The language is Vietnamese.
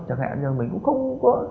chẳng hạn là mình cũng không có